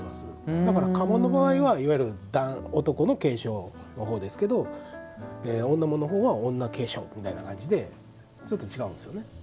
だから、家紋の場合は男の継承の方ですけど女紋の方は女継承みたいな感じでちょっと違うんですよね。